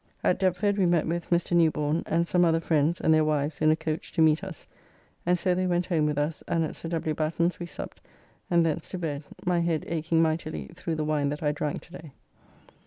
At Deptford we met with Mr. Newborne, and some other friends and their wives in a coach to meet us, and so they went home with us, and at Sir W. Batten's we supped, and thence to bed, my head akeing mightily through the wine that I drank to day.